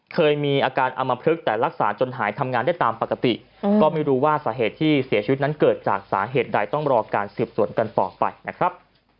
เคยมีอาการอมพลึกแต่รักษาจนหายทำงานได้ตามปกติก็ไม่รู้ว่าสาเหตุที่เสียชีวิตนั้นเกิดจากสาเหตุใดต้องรอการสืบสวนกันต่อไปนะครับ